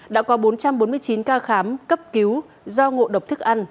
đã có bốn trăm bốn mươi chín ca khám cấp cứu do ngộ độc thức ăn